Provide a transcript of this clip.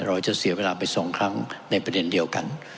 เราจะเสียเวลาไป๒ครั้งในประเด็นเดียวกัน